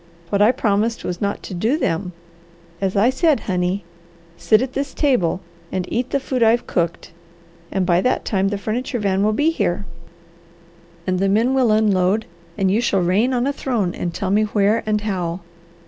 What I promised was not to DO them. So as I said, honey, sit at this table, and eat the food I've cooked; and by that time the furniture van will be here, and the men will unload, and you shall reign on a throne and tell me where and how."